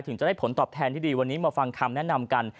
ถึงจะได้ผลตอบแทนที่ดีวันนี้มาฟังคำแนะนำกัน